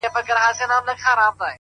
په پېښور کي تېر سوې وه